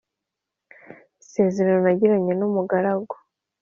isezerano nagiranye n’ umugaragu